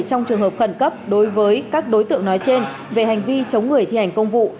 trong trường hợp khẩn cấp đối với các đối tượng nói trên về hành vi chống người thi hành công vụ